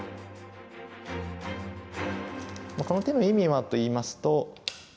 この手の意味はといいますと。